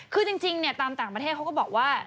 คือจริงตามต่างประเทศเขาก็บอกว่า